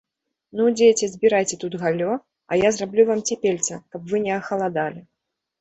- Ну, дзеці, збірайце тут галлё, а я зраблю вам цяпельца, каб вы не ахаладалі